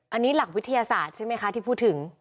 อันนี้หลักวิทยาศาสตร์ใช่ไหมคะที่พูดถึง